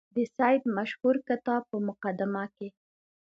د سید مشهور کتاب په مقدمه کې.